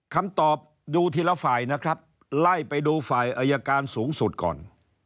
คำตอบดูทีละฝ่ายนะครับไล่ไปดูฝ่ายอายการสูงสุดก่อน